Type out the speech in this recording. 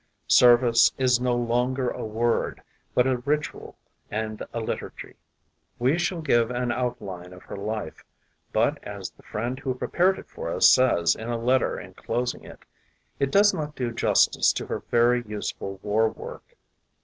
"Service" is no longer a word but a ritual and a liturgy. We shall give an outline of her life but as the friend who prepared it for us says in a letter enclos ing it : "It does not do justice to her very useful war work."